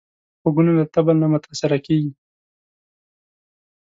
غوږونه له طبل نه متاثره کېږي